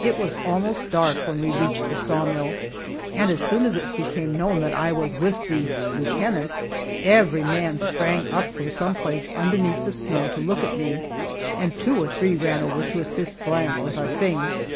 It was almost dark when we reached the saw mill, and as soon as it became known that I was with the "lieutenant" every man sprang up from some place underneath the snow to look at me, and two or three ran over to assist Bryant with our things.